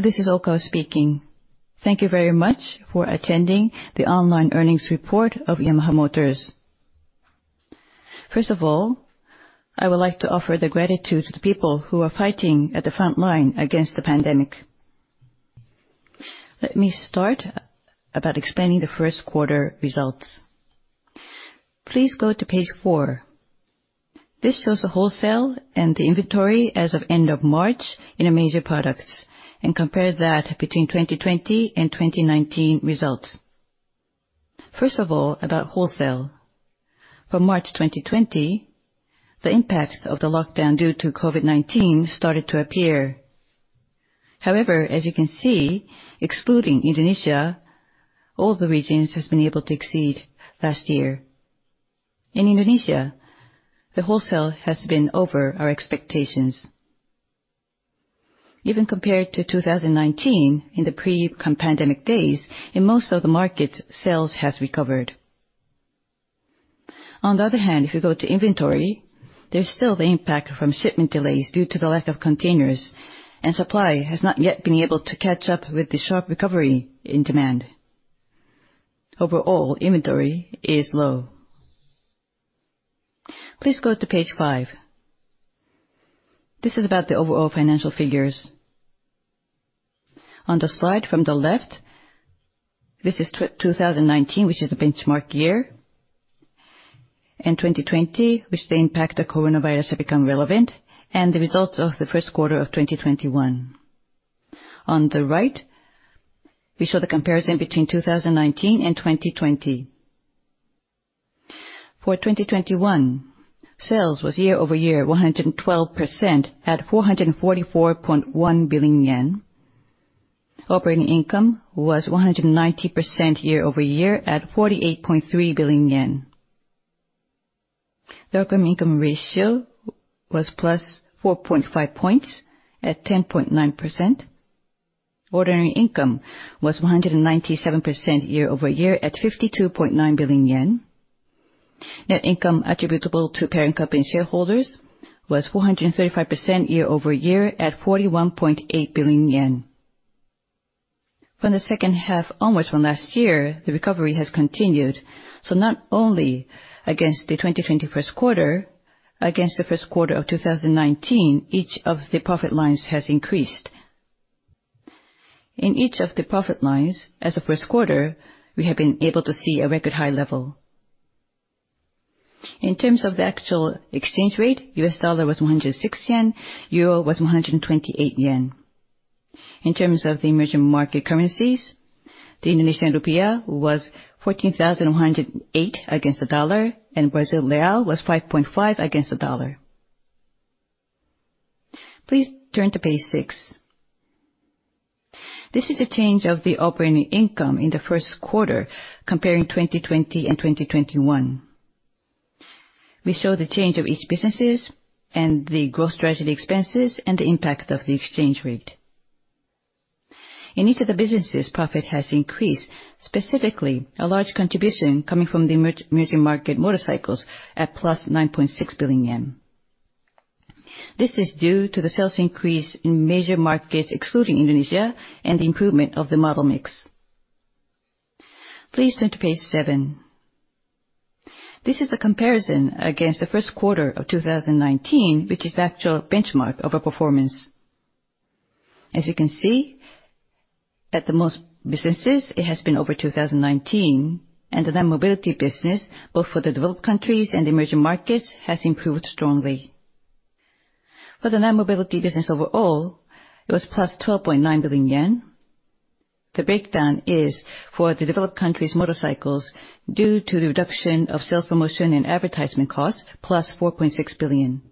This is Okawa speaking. Thank you very much for attending the online earnings report of Yamaha Motor. First of all, I would like to offer the gratitude to the people who are fighting at the front line against the pandemic. Let me start about explaining the first quarter results. Please go to page four. This shows the wholesale and the inventory as of end of March in our major products, and compare that between 2020 and 2019 results. First of all, about wholesale. For March 2020, the impact of the lockdown due to COVID-19 started to appear. However, as you can see, excluding Indonesia, all the regions has been able to exceed last year. In Indonesia, the wholesale has been over our expectations. Even compared to 2019, in the pre-pandemic days, in most of the markets, sales has recovered. On the other hand, if you go to inventory, there's still the impact from shipment delays due to the lack of containers, and supply has not yet been able to catch up with the sharp recovery in demand. Overall, inventory is low. Please go to page five. This is about the overall financial figures. On the slide from the left, this is 2019, which is a benchmark year, and 2020, which the impact of Coronavirus had become relevant, and the results of the first quarter of 2021. On the right, we show the comparison between 2019 and 2020. For 2021, sales was year-over-year 112% at 444.1 billion yen. Operating income was 190% year-over-year at 48.3 billion yen. The operating income ratio was +4.5 points at 10.9%. Ordinary income was 197% year-over-year at 52.9 billion yen. Net income attributable to parent company shareholders was 435% year-over-year at 41.8 billion yen. From the second half onwards from last year, the recovery has continued, so not only against the 2020 first quarter, against the first quarter of 2019, each of the profit lines has increased. In each of the profit lines, as of first quarter, we have been able to see a record high level. In terms of the actual exchange rate, U.S. dollar was 106 yen, euro was 128 yen. In terms of the emerging market currencies, the Indonesian rupiah was 14,108 against the dollar, and Brazilian real was 5.5 against the dollar. Please turn to page six. This is a change of the operating income in the first quarter, comparing 2020 and 2021. We show the change of each businesses and the growth strategy expenses and the impact of the exchange rate. In each of the businesses, profit has increased, specifically a large contribution coming from the emerging market motorcycles at +9.6 billion yen. This is due to the sales increase in major markets excluding Indonesia, and the improvement of the model mix. Please turn to page seven. This is the comparison against the first quarter of 2019, which is the actual benchmark of our performance. As you can see, at most businesses, it has been over 2019. The Mobility Business, both for the developed countries and the emerging markets, has improved strongly. For the Mobility Business overall, it was plus 12.9 billion yen. The breakdown is, for the developed countries, motorcycles due to the reduction of sales promotion and advertisement costs, +4.6 billion.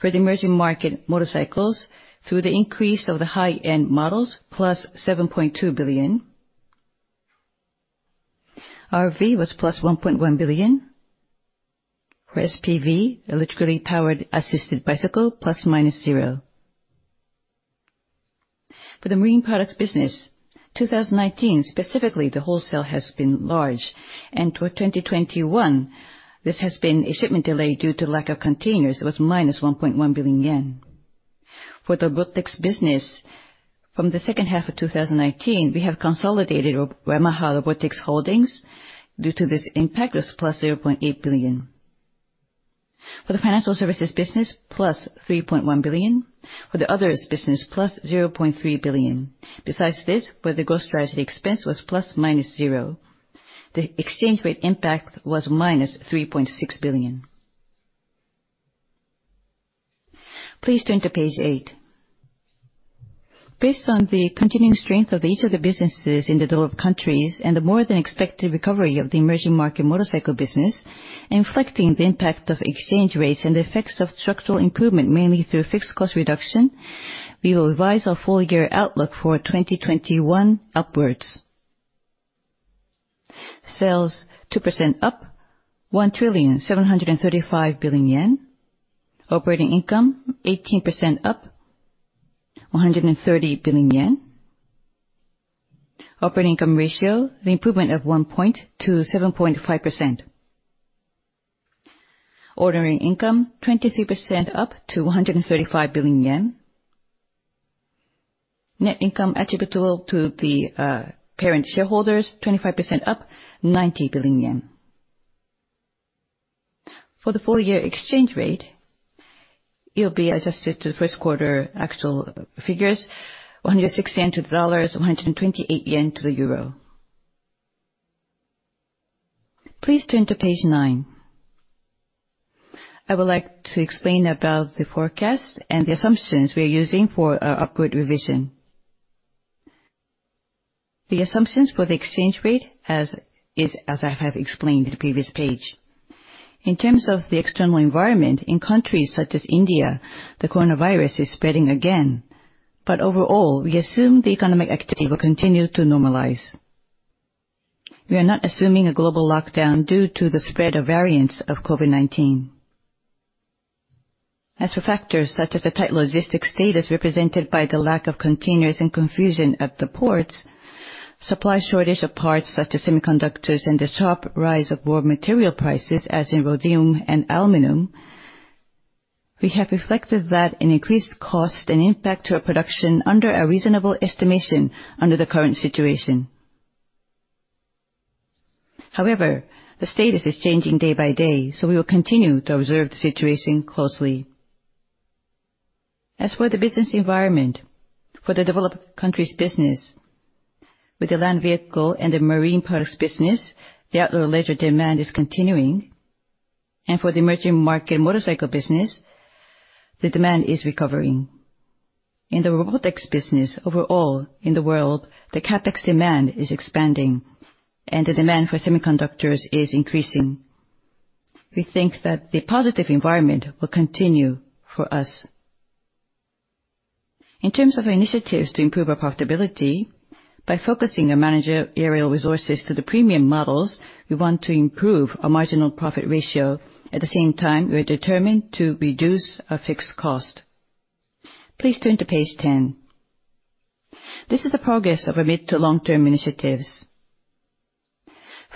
For the emerging market motorcycles, through the increase of the high-end models, +7.2 billion. RV was +1.1 billion. For SPV, electrically powered assisted bicycle, ±0. For the Marine Products business, 2019, specifically, the wholesale has been large, and toward 2021, this has been a shipment delay due to lack of containers. It was -1.1 billion yen. For the Robotics business, from the second half of 2019, we have consolidated Yamaha Robotics Holdings. Due to this impact, it was +0.8 billion. For the Financial Services business, +3.1 billion. For the Others business, +0.3 billion. Besides this, for the growth strategy expense was ±0. The exchange rate impact was -3.6 billion. Please turn to page eight. Based on the continuing strength of each of the businesses in the developed countries and the more than expected recovery of the emerging market motorcycle business, inflicting the impact of exchange rates and the effects of structural improvement, mainly through fixed cost reduction, we will revise our full year outlook for 2021 upwards. Sales 2% up, 1.735 trillion. Operating income 18% up, 130 billion yen. Operating income ratio, the improvement of 1 point to 7.5%. Ordinary income, 23% up to 135 billion yen. Net income attributable to the parent shareholders, 25% up, 90 billion yen. For the full year exchange rate, it'll be adjusted to first quarter actual figures, 106 yen to the dollars, 128 yen to the euro. Please turn to page nine. I would like to explain about the forecast and the assumptions we're using for our upward revision. The assumptions for the exchange rate, as I have explained in the previous page. In terms of the external environment, in countries such as India, the Coronavirus is spreading again. Overall, we assume the economic activity will continue to normalize. We are not assuming a global lockdown due to the spread of variants of COVID-19. As for factors such as the tight logistics status represented by the lack of containers and confusion at the ports, supply shortage of parts such as semiconductors, and the sharp rise of raw material prices, as in rhodium and aluminum, we have reflected that an increased cost and impact to our production under a reasonable estimation under the current situation. The status is changing day by day, so we will continue to observe the situation closely. As for the business environment, for the developed countries' business, with the land vehicle and the marine products business, the outdoor leisure demand is continuing. For the emerging market motorcycle business, the demand is recovering. In the robotics business, overall in the world, the CapEx demand is expanding, and the demand for semiconductors is increasing. We think that the positive environment will continue for us. In terms of our initiatives to improve our profitability, by focusing our managerial resources to the premium models, we want to improve our marginal profit ratio. At the same time, we are determined to reduce our fixed cost. Please turn to page 10. This is the progress of our mid to long-term initiatives.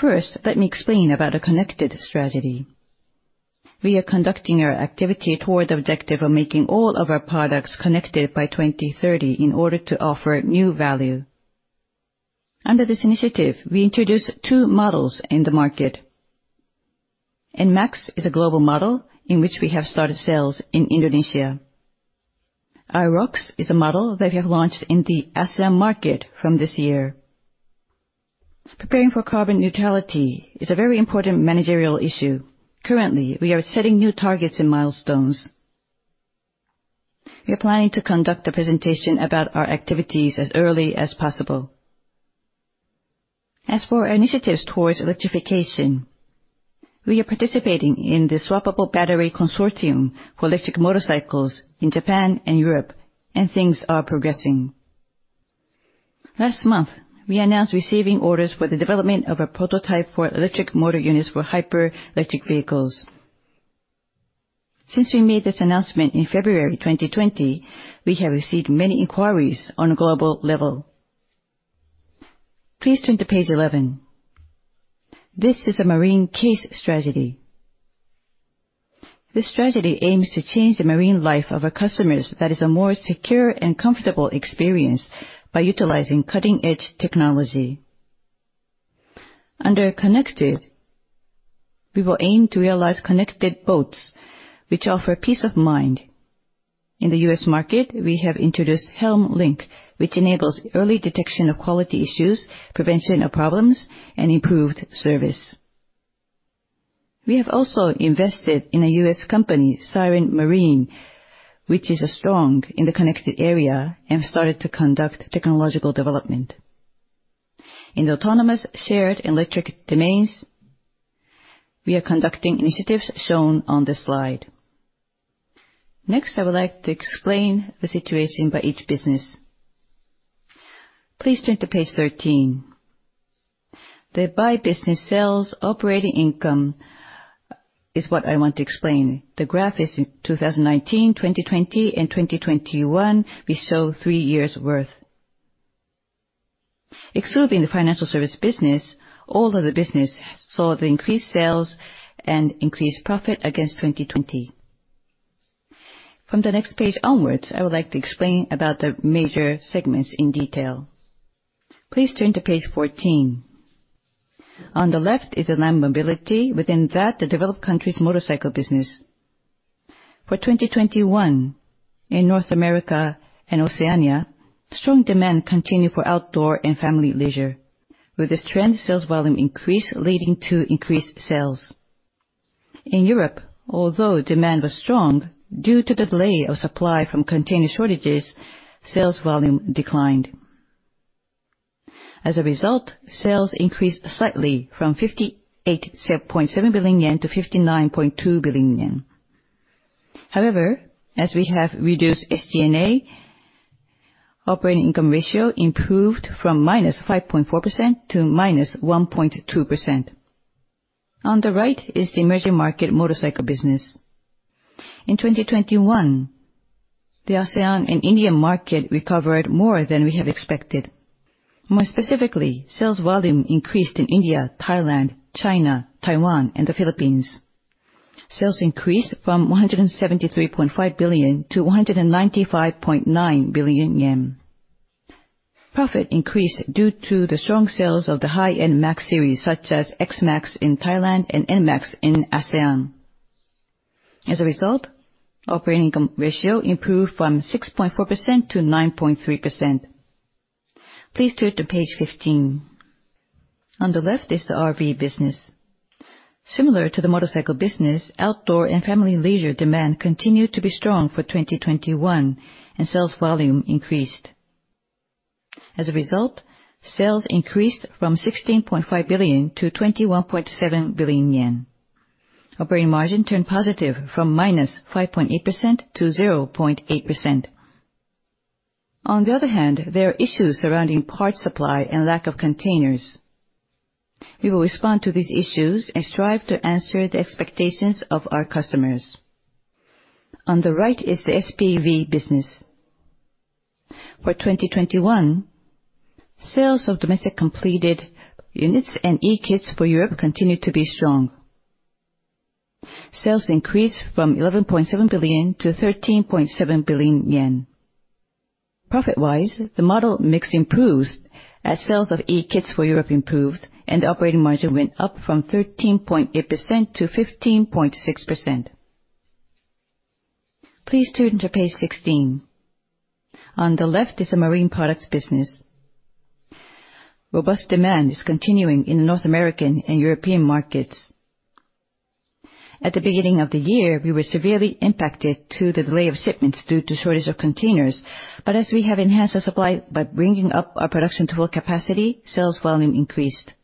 First, let me explain about a connected strategy. We are conducting our activity toward the objective of making all of our products connected by 2030 in order to offer new value. Under this initiative, we introduced two models in the market. NMAX is a global model in which we have started sales in Indonesia. Aerox is a model that we have launched in the ASEAN market from this year. Preparing for carbon neutrality is a very important managerial issue. Currently, we are setting new targets and milestones. We are planning to conduct a presentation about our activities as early as possible. As for our initiatives towards electrification, we are participating in the Swappable Batteries Motorcycle Consortium for electric motorcycles in Japan and Europe, and things are progressing. Last month, we announced receiving orders for the development of a prototype for electric motor units for electric hypercars. Since we made this announcement in February 2020, we have received many inquiries on a global level. Please turn to page 11. This is a marine CASE strategy. This strategy aims to change the marine life of our customers that is a more secure and comfortable experience by utilizing cutting-edge technology. Under connected, we will aim to realize connected boats, which offer peace of mind. In the U.S. market, we have introduced Helm Link, which enables early detection of quality issues, prevention of problems, and improved service. We have also invested in a U.S. company, Siren Marine, which is strong in the connected area, and have started to conduct technological development. In the autonomous, shared, and electric domains, we are conducting initiatives shown on this slide. Next, I would like to explain the situation by each business. Please turn to page 13. The by business sales operating income is what I want to explain. The graph is in 2019, 2020, and 2021. We show three years' worth. Excluding the financial service business, all of the business saw the increased sales and increased profit against 2020. From the next page onwards, I would like to explain about the major segments in detail. Please turn to page 14. On the left is the Land Mobility. Within that, the developed countries' motorcycle business. For 2021, in North America and Oceania, strong demand continued for outdoor and family leisure. With this trend, sales volume increased, leading to increased sales. In Europe, although demand was strong, due to the delay of supply from container shortages, sales volume declined. As a result, sales increased slightly from 58.7 billion yen to 59.2 billion yen. However, as we have reduced SG&A, operating income ratio improved from -5.4% to -1.2%. On the right is the emerging market motorcycle business. In 2021, the ASEAN and Indian market recovered more than we have expected. More specifically, sales volume increased in India, Thailand, China, Taiwan, and the Philippines. Sales increased from 173.5 billion to 195.9 billion yen. Profit increased due to the strong sales of the high-end MAX series, such as XMAX in Thailand and NMAX in ASEAN. As a result, operating ratio improved from 6.4% to 9.3%. Please turn to page 15. On the left is the RV business. Similar to the motorcycle business, outdoor and family leisure demand continued to be strong for 2021 and sales volume increased. As a result, sales increased from 16.5 billion to 21.7 billion yen. Operating margin turned positive from -5.8% to 0.8%. On the other hand, there are issues surrounding part supply and lack of containers. We will respond to these issues and strive to answer the expectations of our customers. On the right is the SPV business. For 2021, sales of domestic completed units and e-Kit for Europe continued to be strong. Sales increased from 11.7 billion to 13.7 billion yen. Profit-wise, the model mix improved as sales of e-Kit for Europe improved and operating margin went up from 13.8% to 15.6%. Please turn to page 16. On the left is the marine products business. Robust demand is continuing in the North American and European markets. At the beginning of the year, we were severely impacted to the delay of shipments due to shortage of containers, but as we have enhanced the supply by bringing up our production to full capacity, sales volume increased.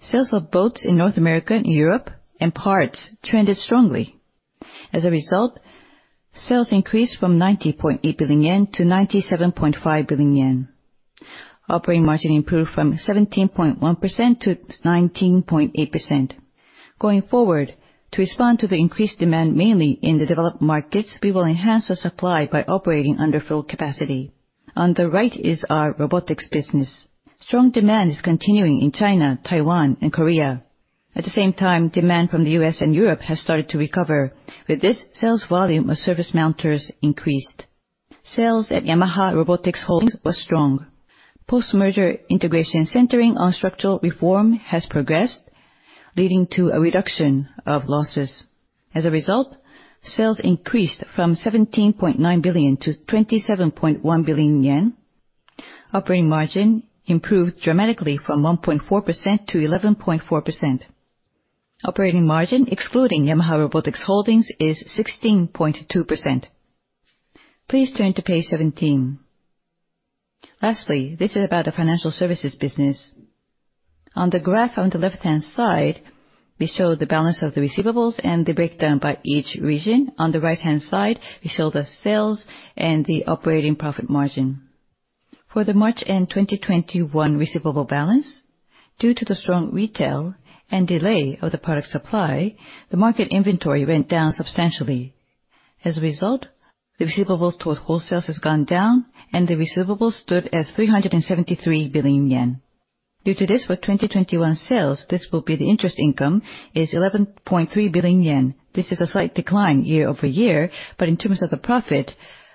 Sales of boats in North America and Europe, and parts, trended strongly. As a result, sales increased from 90.8 billion yen to 97.5 billion yen. Operating margin improved from 17.1% to 19.8%. Going forward, to respond to the increased demand, mainly in the developed markets, we will enhance the supply by operating under full capacity. On the right is our robotics business. Strong demand is continuing in China, Taiwan, and Korea. At the same time, demand from the U.S. and Europe has started to recover. With this, sales volume of surface mounters increased. Sales at Yamaha Robotics Holdings was strong. Post-merger integration centering on structural reform has progressed, leading to a reduction of losses. As a result, sales increased from 17.9 billion to 27.1 billion yen. Operating margin improved dramatically from 1.4% to 11.4%. Operating margin, excluding Yamaha Robotics Holdings, is 16.2%. Please turn to page 17. Lastly, this is about the financial services business. On the graph on the left-hand side, we show the balance of the receivables and the breakdown by each region. On the right-hand side, we show the sales and the operating profit margin. For the March end 2021 receivable balance, due to the strong retail and delay of the product supply, the market inventory went down substantially. As a result, the receivables towards wholesalers has gone down, and the receivables stood at 373 billion yen. Due to this, for 2021 sales, this will be the interest income is 11.3 billion yen. This is a slight decline year-over-year, in terms of the profit,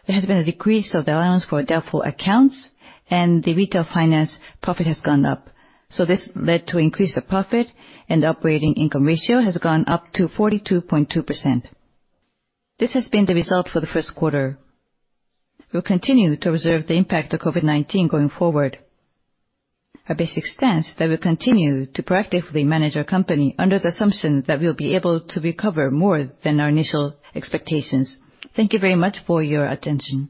there has been a decrease of the allowance for doubtful accounts and the retail finance profit has gone up. This led to increase of profit and operating income ratio has gone up to 42.2%. This has been the result for the first quarter. We'll continue to observe the impact of COVID-19 going forward. Our basic stance that we'll continue to proactively manage our company under the assumption that we'll be able to recover more than our initial expectations. Thank you very much for your attention.